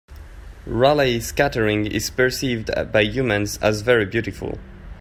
Raleigh scattering is percieved by humans as very beautiful.